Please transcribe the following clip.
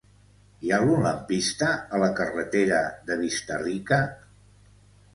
Hi ha algun lampista a la carretera de Vista-rica?